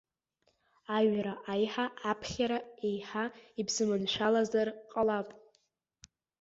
Аҩра аиҳа аԥхьара еиҳа ибзыманшәалазар ҟалап?